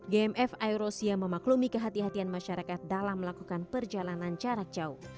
gmf air rusia memaklumi kehatian kehatian masyarakat dalam melakukan perjalanan jarak jauh